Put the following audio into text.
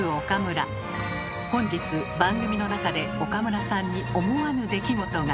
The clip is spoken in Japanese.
本日番組の中で岡村さんに思わぬ出来事が。